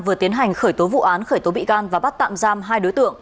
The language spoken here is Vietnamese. vừa tiến hành khởi tố vụ án khởi tố bị can và bắt tạm giam hai đối tượng